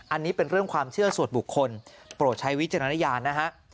อันนี้เป็นเรื่องความเชื่อส่วนบุคคลโปรดใช้วิจารณญาณนะฮะ